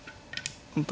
本当